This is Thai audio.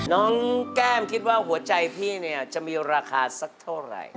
น้องแก้มคิดว่าหัวใจพี่เนี่ยจะมีราคาสักเท่าไหร่